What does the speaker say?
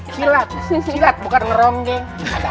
silat silat bukan ngerom geng